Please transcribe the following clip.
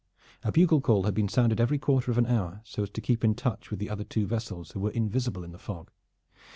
A bugle call had been sounded every quarter of an hour so as to keep in touch with the other two vessels who were invisible in the fog.